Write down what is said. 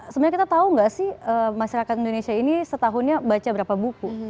sebenarnya kita tahu nggak sih masyarakat indonesia ini setahunnya baca berapa buku